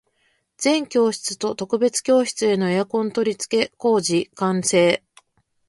全教室と特別教室へのエアコン取り付け工事完成